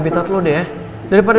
karena bokap lo yang nyakitin perasaan dia